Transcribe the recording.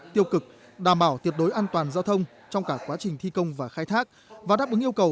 tiêu cực đảm bảo tuyệt đối an toàn giao thông trong cả quá trình thi công và khai thác và đáp ứng yêu cầu